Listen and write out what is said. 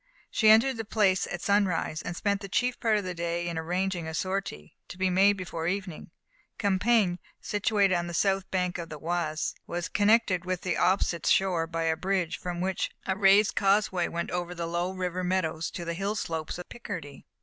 She entered the place at sunrise, and spent the chief part of the day in arranging a sortie, to be made before evening. Compiègne, situated on the south bank of the Oise, was connected with the opposite shore by a bridge, from which a raised causeway went over the low river meadows to the hill slopes of Picardy.